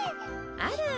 ・あら